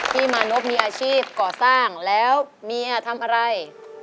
พี่มานพมีอาชีพก่อสร้างแล้วเมียทำอะไร